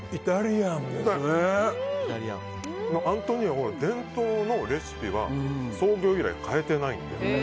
アントニオは伝統のレシピは創業以来変えてないので。